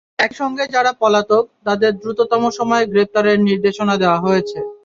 একই সঙ্গে যাঁরা পলাতক, তাঁদের দ্রুততম সময়ে গ্রেপ্তারের নির্দেশনা দেওয়া হয়েছে।